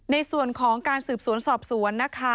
ในส่วนของการสืบสวนสอบสวนนะคะ